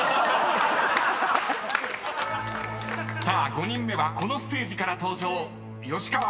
［５人目はこのステージから登場吉川愛さんです］